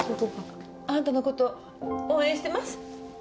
あなたのこと応援してます。